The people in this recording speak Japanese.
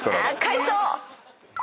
海藻！